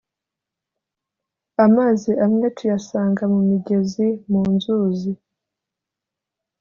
Amazi amwe tuyasanga mu migezi, mu nzuzi,